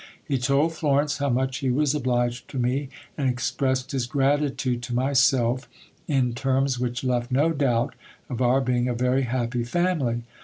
He told Florence how much he was obliged to me, and expressed his gratitude to myself, in terms which left no doubt of our being a very happy family.